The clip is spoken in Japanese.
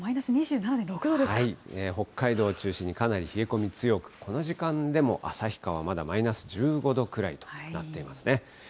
北海道を中心に、さらに冷え込みが強く、この時間でも旭川は、まだマイナス１５度くらいとなっていますね。